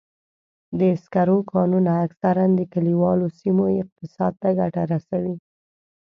د سکرو کانونه اکثراً د کلیوالو سیمو اقتصاد ته ګټه رسوي.